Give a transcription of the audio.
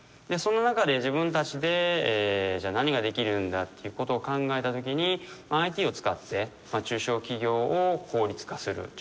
でその中で自分たちでじゃあ何ができるんだっていうことを考えたときにＩＴを使って中小企業を効率化する。